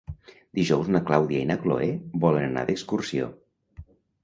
Dijous na Clàudia i na Cloè volen anar d'excursió.